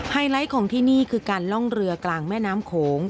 ไลท์ของที่นี่คือการล่องเรือกลางแม่น้ำโขง